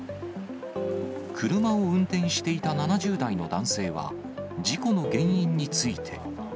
車を運転していた７０代の男性は、事故の原因について。